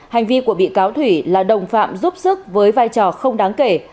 hành vi của bị cáo thủy là đồng phạm giúp sức với vai trò không đáng kể